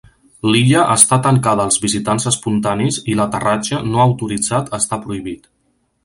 L"illa està tancada als visitants espontanis i l"aterratge no autoritzat està prohibit.